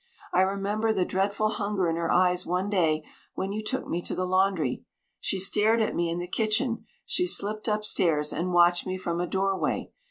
"I remember the dreadful hunger in her eyes one day when you took me to the laundry. She stared at me in the kitchen; she slipped upstairs, and watched me from a doorway.